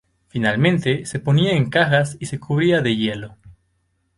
Finalmente, se ponía en cajas y se cubría de hielo.